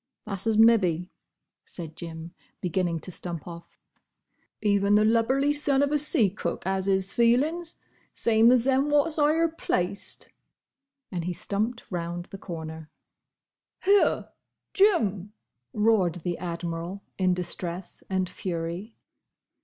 "That's as mebbe," said Jim, beginning to stump off. "Even the lubberly son of a sea cook 'as 'is feelin's, same as them wot's 'igher placed." And he stumped round the corner. "Here! Jim!" roared the Admiral, in distress and fury.